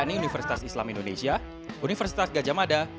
yakni universitas islam indonesia universitas gajah mada